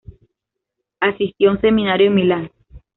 Asistió a un seminario en Milán.